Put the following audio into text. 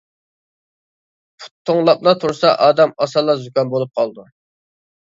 پۇت توڭلاپلا تۇرسا ئادەم ئاسانلا زۇكام بولۇپ قالىدۇ.